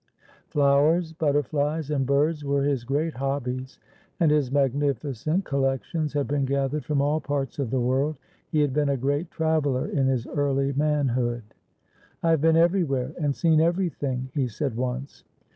Flowers, butterflies, and birds were his great hobbies, and his magnificent collections had been gathered from all parts of the world; he had been a great traveller in his early manhood. "I have been everywhere and seen everything," he said once.